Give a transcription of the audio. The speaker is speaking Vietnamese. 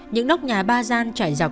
những nóc nhà ba gian trải dọc